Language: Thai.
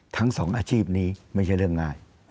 ทั้งสองอาชีพนี้ไม่ใช่เรื่องง่าย